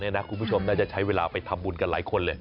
คุณผู้ชมน่าจะใช้เวลาไปทำบุญกันหลายคนเลย